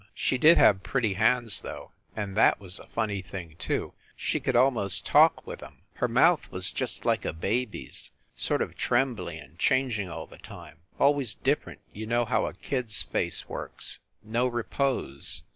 She did have pretty hands, though ; and that was a funny thing, too; she could almost talk with em. Her mouth was just like a baby s sort of trembly and changing all the time, always different you know how a kid s face works no repose.